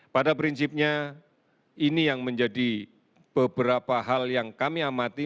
pada prinsipnya ini yang menjadi beberapa hal yang kami amati